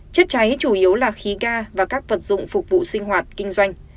chất cháy chủ yếu là khí ga và các vật dụng phục vụ sinh hoạt kinh doanh